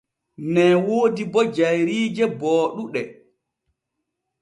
Nee woodi bo jayriije booɗuɗe.